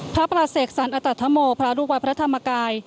พระประเสกสรรอัตธโมพระลูกวัดพระธรรมกาย